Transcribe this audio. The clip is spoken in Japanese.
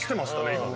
今ね。